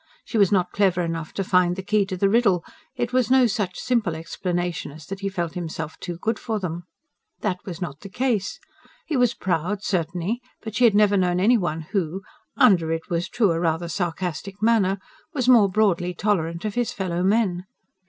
She was not clever enough to find the key to the riddle it was no such simple explanation as that he felt himself too good for them. That was not the case: he was proud, certainly, but she had never known any one who under, it was true, a rather sarcastic manner was more broadly tolerant of his fellow men.